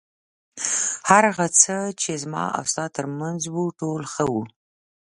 هر هغه څه چې زما او ستا تر منځ و ټول ښه وو.